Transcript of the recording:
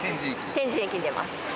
天神駅に出ます。